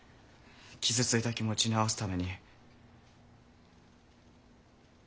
傷ついた気持ちなおすために。